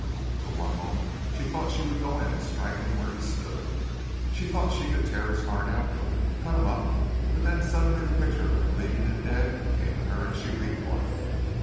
For one moment she thought she would go in and strike him where he stood. She thought she could tear his heart out, cut him up, but then suddenly the picture of him bleeding and dead came to her and she recoiled.